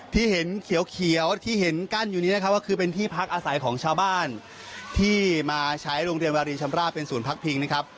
ที่เห็นเขียวที่เห็นกั้นอยู่นี้นะครับก็คือเป็นที่พักอาศัยของชาวบ้านที่มาใช้โรงเรียนวารีชำราบเป็นศูนย์พักพิงนะครับ